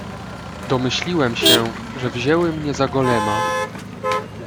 "Domyśliłem się, że wzięły mnie za Golema."